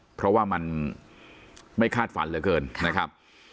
เพราะว่ามันไม่คาดฝันเหลือเกินนะครับ